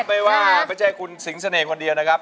ไม่ว่าไม่ใช่คุณสิงเสน่ห์คนเดียวนะครับ